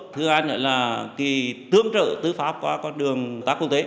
thứ hai là tương trợ tư pháp qua con đường tác công tế